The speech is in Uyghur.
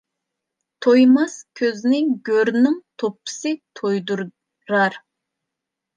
تويماس كۆزنى گۆرنىڭ توپىسى تويدۇرار.